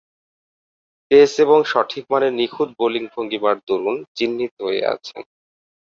Pace এবং সঠিক মানের নিখুঁত বোলিং ভঙ্গীমার দরুন চিহ্নিত হয়ে আছেন।